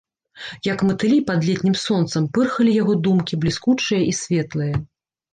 Як матылі пад летнім сонцам, пырхалі яго думкі, бліскучыя і светлыя.